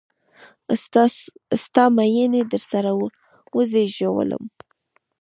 ستا میینې د سره وزیږولم